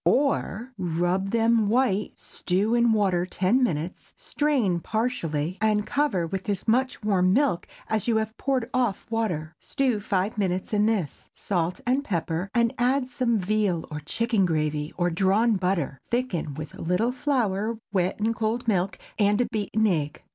Or, Rub them white, stew in water ten minutes; strain partially, and cover with as much warm milk as you have poured off water; stew five minutes in this; salt and pepper, and add some veal or chicken gravy, or drawn butter. Thicken with a little flour wet in cold milk, and a beaten egg.